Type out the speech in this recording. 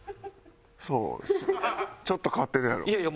そうちょっと変わってるやろ？